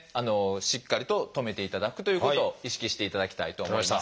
しっかりと止めていただくということを意識していただきたいと思います。